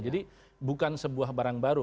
jadi bukan sebuah barang baru